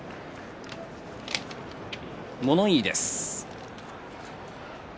物言いです。